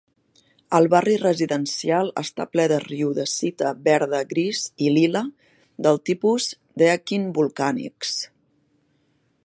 El barri residencial està ple de riodacita verda-gris i lila del tipus "Deakin Volcanics".